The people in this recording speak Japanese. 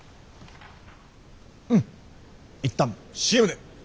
うん一旦ＣＭで。